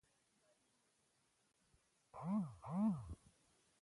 بادي انرژي د افغانانو د معیشت سرچینه ده.